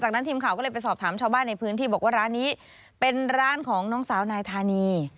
จากนั้นทีมข่าวก็เลยไปสอบถามชาวบ้านในพื้นที่บอกว่าร้านนี้เป็นร้านของน้องสาวนายธานี